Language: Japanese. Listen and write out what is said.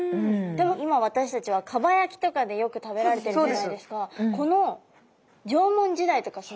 今私たちは蒲焼きとかでよく食べられてるじゃないですか。